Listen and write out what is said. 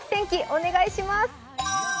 お願いします。